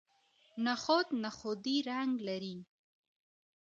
نخود نخودي رنګ لري.